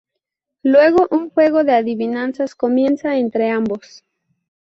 Luego un juego de adivinanzas comienza entre ambos.